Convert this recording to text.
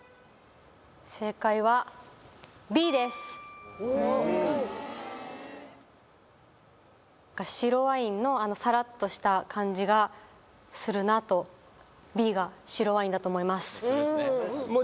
正解はＢです白ワインのサラッとした感じがするなとＢが白ワインだと思います